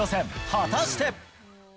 果たして。